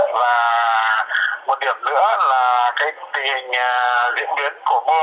và một điểm nữa là cái tình hình diễn biến của mưa